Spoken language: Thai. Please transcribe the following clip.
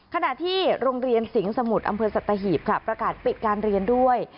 ขณะที่โรงเรียนสิงห์สมุทรอำเภอสัตหีบค่ะประกาศปิดการเรียนด้วย